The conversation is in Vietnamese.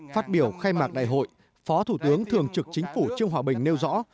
phát biểu khai mạc đại hội phó thủ tướng thường trực chính phủ trương hòa bình nêu rõ